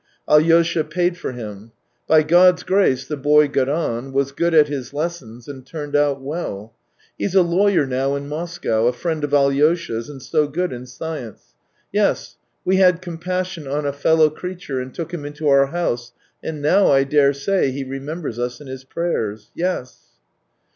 ... Alyosha paid for him. ... By God's grace, the boy got on, was good at his lessons, and turned out well. ... He's a lawyer now in Moscow, a friend of Alyosha's, and so good in science. Yes, we had compassion on a fellow ( reature and took him into our house, and now I daresay he remembers us in his prayers. ... Yes.